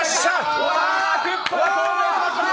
クッパが登場しました。